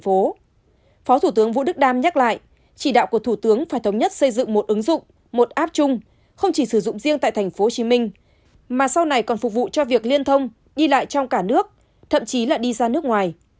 phó thủ tướng vũ đức đam nhắc lại chỉ đạo của thủ tướng phải thống nhất xây dựng một ứng dụng một app chung không chỉ sử dụng riêng tại tp hcm mà sau này còn phục vụ cho việc liên thông đi lại trong cả nước thậm chí là đi ra nước ngoài